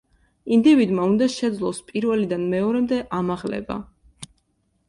ინდივიდმა უნდა შეძლოს პირველიდან მეორემდე ამაღლება.